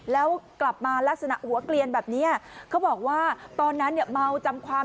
แล้วกลับมาลักษณะหัวเกลียนแบบนี้เขาบอกว่าตอนนั้นเนี่ยเมาจำความ